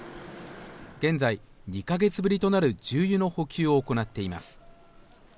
現在、２か月ぶりとなる重油の補給を行っています。